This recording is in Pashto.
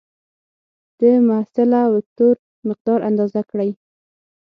د محصله وکتور مقدار اندازه کړئ.